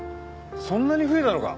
そんなに増えたのか？